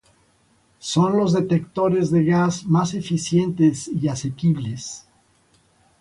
Son los detectores de gas más eficientes y asequibles.